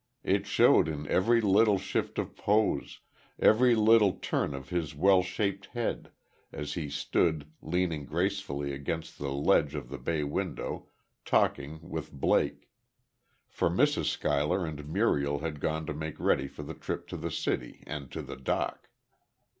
It showed in every little shift of pose, every little turn of his well shaped head, as he stood, leaning gracefully against the ledge of the bay window, talking with Blake; for Mrs. Schuyler and Muriel had gone to make ready for the trip to the city, and to the dock.